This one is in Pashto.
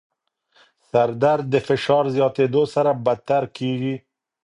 سردرد د فشار زیاتېدو سره بدتر کېږي.